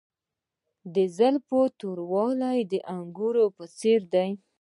د زلفو توروالی د انګورو په څیر دی.